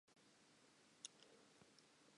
Nkgono o ikokotlela ka lere la tshepe.